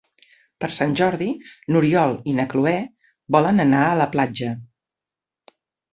Per Sant Jordi n'Oriol i na Cloè volen anar a la platja.